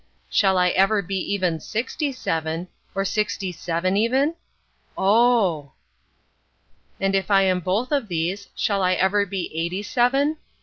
Shall I ever be even sixty seven, or sixty seven even? Oh! And if I am both of these, shall I ever be eighty seven?